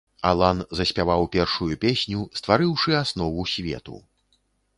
Аслан заспяваў першую песню, стварыўшы аснову свету.